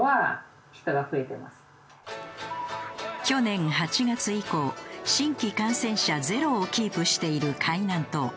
去年８月以降新規感染者ゼロをキープしている海南島。